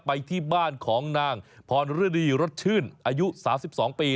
ไปที่บ้านของนางพรฤดีรสชื่นอายุ๓๒ปี